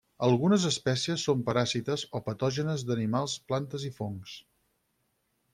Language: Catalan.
Algunes espècies són paràsites o patògenes d'animals, plantes i fongs.